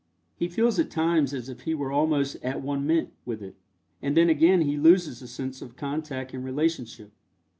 He feels at times as if he were almost at one ment with it, and then again he loses the sense of contact and relationship.